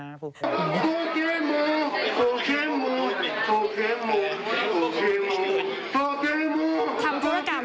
โปเกมโมโปเกมโมโปเกมโมโปเกมโมโปเกมโม